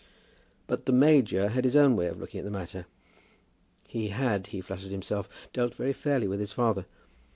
But the major had his own way of looking at the matter. He had, he flattered himself, dealt very fairly with his father.